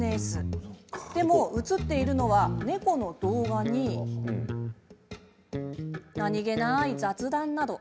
でも、映っているのは猫の動画に何気ない雑談など。